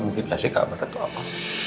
mungkin lah saya kabar atau apa